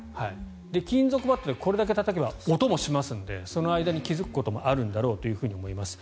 金属バットでこれだけたたけば音もしますのでその間に気付くこともあるんだろうと思います。